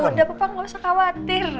udah papa gak usah khawatir